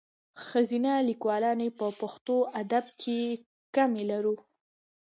ښځینه لیکوالاني په پښتو ادب کښي کمي لرو.